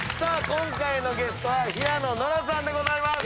今回のゲストは平野ノラさんでございます。